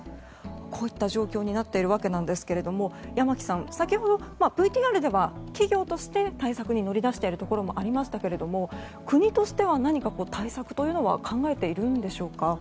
こういった状況になっているわけですが山木さん、先ほどＶＴＲでは企業として対策に乗り出しているところもありましたけども、国としては何か対策は考えているんでしょうか。